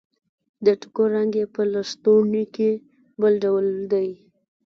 د ټوکر رنګ يې په لستوڼي کې بل ډول دی.